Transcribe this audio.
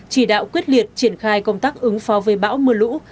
chỉ đạo quyết liệt triển khai công tác ứng phó với bão mưa lũ